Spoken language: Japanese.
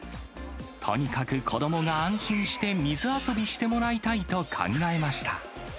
とにかく子どもが安心して水遊びしてもらいたいと考えました。